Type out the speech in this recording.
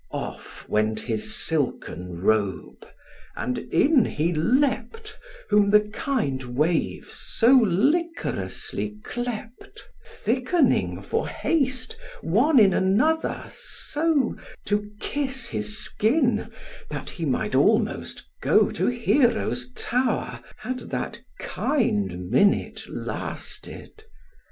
Off went his silken robe, and in he leapt, Whom the kind waves so licorously cleapt, Thickening for haste, one in another, so, To kiss his skin, that he might almost go To Hero's tower, had that kind minute lasted.